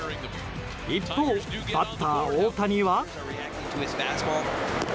一方、バッター大谷は。